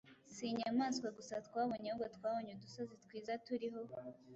Si inyamaswa gusa twabonye ahubwo twabonye udusozi twiza turiho